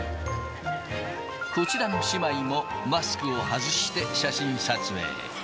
こちらの姉妹もマスクを外して、写真撮影。